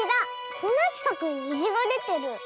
こんなちかくににじがでてる。